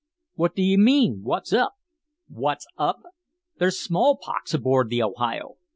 "What d'ye mean? What's up?" "What's up? There's small pox aboard the Ohio!